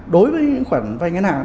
đối với khoản vây ngân hàng